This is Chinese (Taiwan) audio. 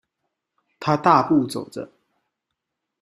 他大步走著